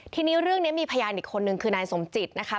ทีนี้เรื่องนี้มีพยานอีกคนนึงคือนายสมจิตนะคะ